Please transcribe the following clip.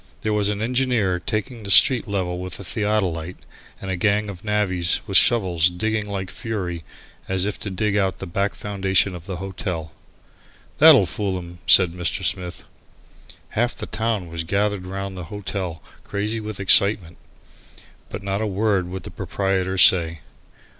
There was an engineer taking the street level with a theodolite, and a gang of navvies with shovels digging like fury as if to dig out the back foundations of the hotel. "That'll fool 'em," said Mr. Smith. Half the town was gathered round the hotel crazy with excitement. But not a word would the proprietor say.